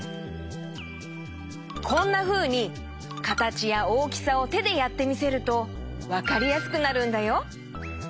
こんなふうにかたちやおおきさをてでやってみせるとわかりやすくなるんだよ。